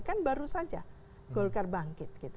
kan baru saja golkar bangkit